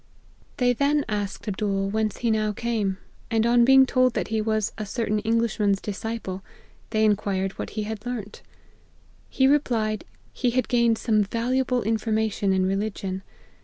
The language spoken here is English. They then asked Adbool APPENDIX. 223 whence he now came ; and on being told that he was a certain Englishman's disciple, they inquired what he had learnt. He replied, he had gained some valuable information in religion.